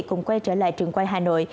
cùng quay trở lại trường quay hà nội